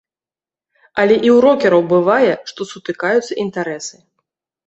Але і ў рокераў бывае, што сутыкаюцца інтарэсы.